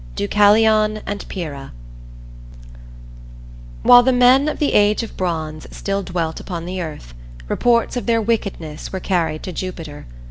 DEUCALION AND PYRRHA While the men of the Age of Bronze still dwelt upon the earth reports of their wickedness were carried to Jupiter.